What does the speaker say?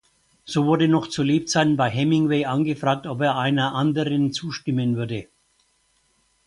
So wurde noch zu Lebzeiten bei Hemingway angefragt, ob er einer anderen zustimmen würde.